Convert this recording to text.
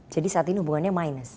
jadi saat ini hubungannya minus